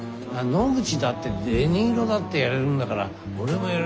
野口だってデ・ニーロだってやれるんだから俺もやれるよ。